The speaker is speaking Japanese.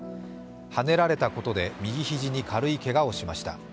はねられたことで右ひじに軽いけがをしました。